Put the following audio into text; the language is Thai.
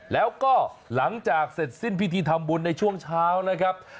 แล้วก็หลังจากเสร็จสิ้นพิธีทำบุญในช่วงเช้านะครับ